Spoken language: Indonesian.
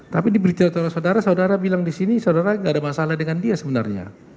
tapi diberitahu oleh saudara saudara bilang di sini saudara tidak ada masalah dengan dia sebenarnya